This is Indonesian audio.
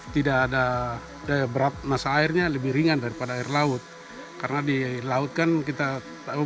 tidak ada daya berat masa airnya lebih ringan daripada air laut karena di laut kan kita tahu